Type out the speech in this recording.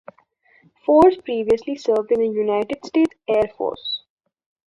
Fors previously served in the United States Air Force.